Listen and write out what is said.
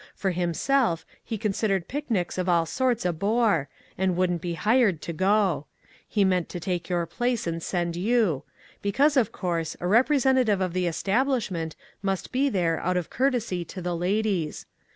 For himself, he considered picnics of all sorts a bore, and wouldn't be hired to go. He meant to take your place and send you ; because, of course, a repre sentative of the establishment must be there out of courtesy to the ladies.